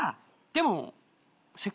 でも。